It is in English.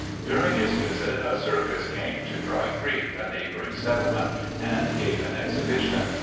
During his visit, a circus came to "Dry Creek," a neighbouring settlement, and gave an exhibition.